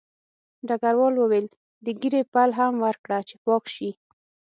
ډګروال وویل د ږیرې پل هم ورکړه چې پاک شي